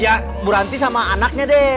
ya berhenti sama anaknya deh